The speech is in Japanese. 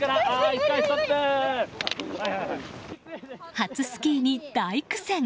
初スキーに大苦戦。